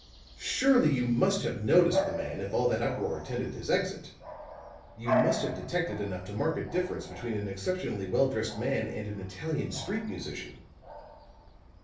"Surely you must have noticed the man if all that uproar attended his exit. You must have detected enough to mark a difference between an exceptionally well dressed man and an Italian street musician."